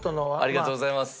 ありがとうございます。